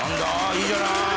いいじゃない。